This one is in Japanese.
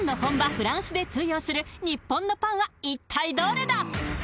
フランスで通用する日本のパンは一体どれだ？